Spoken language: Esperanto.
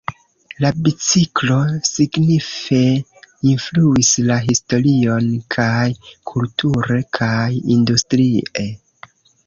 La biciklo signife influis la historion kaj kulture kaj industrie.